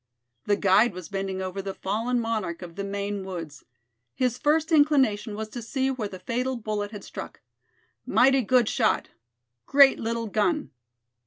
The guide was bending over the fallen monarch of the Maine woods. His first inclination was to see where the fatal bullet had struck. "Mighty good shot. Great little gun."